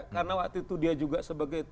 karena waktu itu dia juga sebagai